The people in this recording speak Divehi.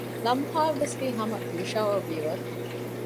ލަމްހާއަށްވެސްވީ ހަމަ ޔޫޝައުއަށް ވީވަރު